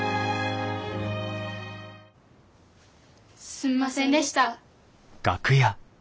すんませんでした。